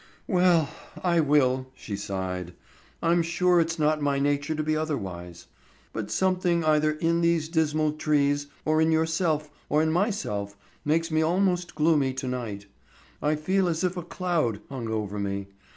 "Well, I will," she sighed. "I'm sure it's not my nature to be otherwise. But something either in these dismal trees, or in yourself or in myself makes me almost gloomy to night. I feel as if a cloud, hung over me.